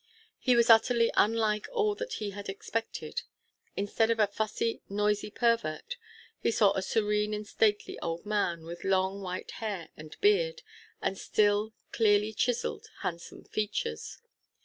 He was utterly unlike all that he had expected. Instead of a fussy, noisy pervert, he saw a serene and stately old man, with long white hair and beard, and still, clearly chiselled, handsome features.